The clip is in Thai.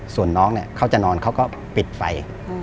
ส่วนน้องเนี่ยเขาจะนอนเขาก็ปิดไฟ